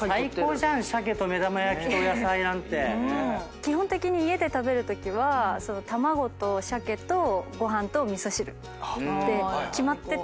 基本的に家で食べるときは玉子と鮭とご飯と味噌汁って決まってて。